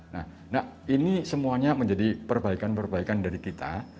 nah ini semuanya menjadi perbaikan perbaikan dari kita